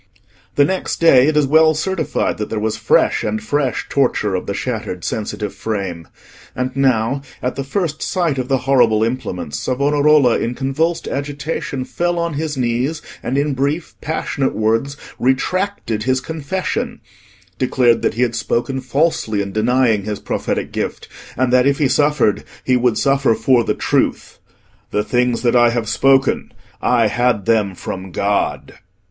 The next day it is well certified that there was fresh and fresh torture of the shattered sensitive frame; and now, at the first sight of the horrible implements, Savonarola, in convulsed agitation, fell on his knees, and in brief passionate words retracted his confession, declared that he had spoken falsely in denying his prophetic gift, and that if he suffered, he would suffer for the truth—"The things that I have spoken, I had them from God."